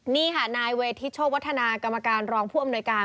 นี่ค่ะนายเวทิศโชควัฒนากรรมการรองผู้อำนวยการ